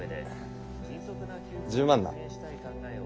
１０万な。